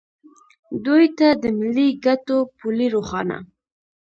دوی ته د ملي ګټو پولې روښانه